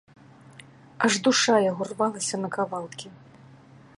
Аж душа яго рвалася на кавалкі.